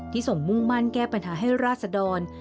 ที่ส่งมุมันแก้ปัญหาให้ราษดร